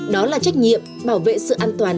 đó là trách nhiệm bảo vệ sự an toàn